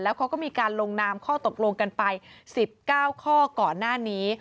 เขาก็มีการลงนามข้อตกลงกันไป๑๙ข้อก่อนหน้านี้